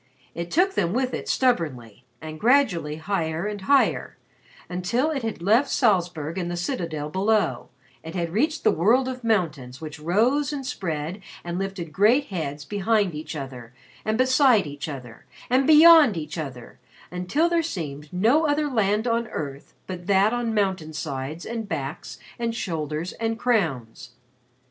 It took them with it stubbornly and gradually higher and higher until it had left Salzburg and the Citadel below and had reached the world of mountains which rose and spread and lifted great heads behind each other and beside each other and beyond each other until there seemed no other land on earth but that on mountain sides and backs and shoulders and crowns.